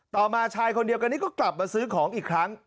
มาชายคนเดียวกันนี้ก็กลับมาซื้อของอีกครั้ง